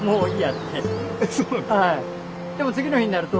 はい。